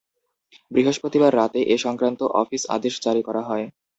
বৃহস্পতিবার রাতে এ সংক্রান্ত অফিস আদেশ জারি করা হয়।